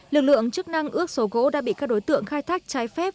lực lượng chức năng ước số gỗ đã bị các đối tượng khai thác trái phép